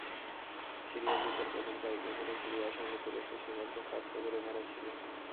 সিরীয় যুদ্ধের প্রথম কয়েক বছরে সিরিয়ার সঙ্গে তুরস্কের সীমান্তও ফাঁক-ফোকরে ভরা ছিল।